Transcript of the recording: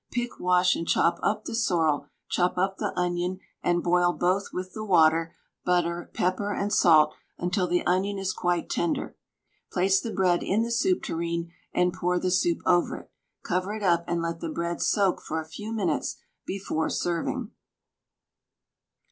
Pick, wash, and chop up the sorrel, chop up the onion, and boil both with the water, butter, pepper, and salt until the onion is quite tender. Place the bread in the soup tureen and pour the soup over it. Cover it up, and let the bread soak for a few minutes before serving.